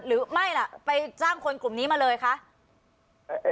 หรือไม่ล่ะไปจ้างคนกลุ่มนี้มาเลยคะ